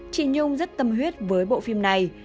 chị nhung rất tâm huyết với bộ phim này